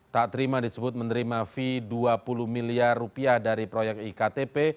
tak terima disebut menerima fee dua puluh miliar rupiah dari proyek iktp